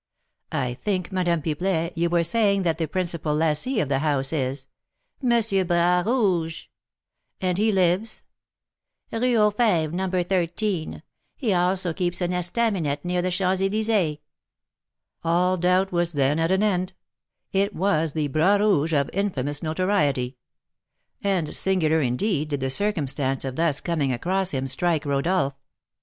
"I think, Madame Pipelet, you were saying that the principal lessee of the house is " "M. Bras Rouge." "And he lives " "Rue aux Fêves, No. 13. He also keeps an estaminet near the Champs Elysées." All doubt was then at an end, it was the Bras Rouge of infamous notoriety; and singular indeed did the circumstance of thus coming across him strike Rodolph.